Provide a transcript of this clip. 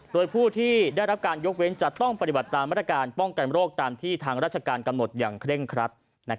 โดยผู้ที่ได้รับการยกเว้นจะต้องปฏิบัติตามมาตรการป้องกันโรคตามที่ทางราชการกำหนดอย่างเคร่งครัด